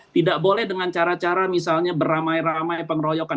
tidak boleh dengan cara cara misalnya beramai ramai pengeroyokan